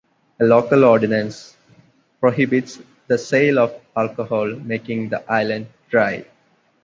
A local ordinance prohibits the sale of alcohol, making the island dry.